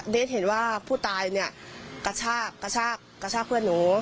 เห็นว่าผู้ตายเนี่ยกระชากกระชากกระชากเพื่อนหนู